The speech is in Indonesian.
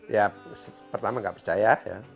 ya pertama tidak percaya